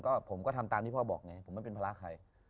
ก็ผมก็ทำตามที่พ่อบอกไงผมไม่เป็นภาระใคร